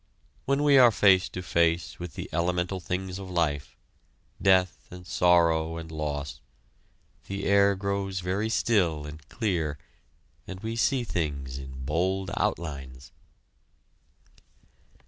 When we are face to face with the elemental things of life, death and sorrow and loss, the air grows very still and clear, and we see things in bold outlines.